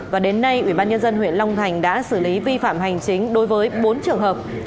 và đến nay ubnd huyện long thành đã xử lý vi phạm hành chính đối với bốn trường hợp